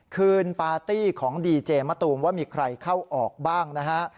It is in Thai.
คืนปาร์ตี้ของดีเจมะตูมว่ามีใครเข้าออกบ้างนะฮะ